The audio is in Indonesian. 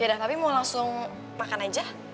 yaudah papi mau langsung makan aja